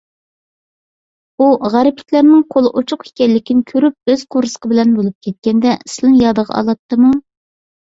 ئۇ غەربلىكلەرنىڭ قولى ئوچۇق ئىكەنلىكىنى كۆرۈپ، ئۆز قورسىقى بىلەن بولۇپ كەتكەندە سىلىنى يادىغا ئالاتتىمۇ؟